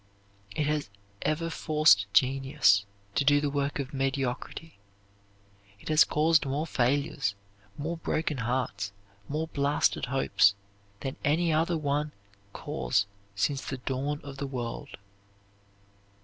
It has ever forced genius to do the work of mediocrity; it has caused more failures, more broken hearts, more blasted hopes, than any other one cause since the dawn of the world.